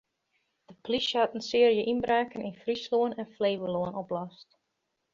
De polysje hat in searje ynbraken yn Fryslân en Flevolân oplost.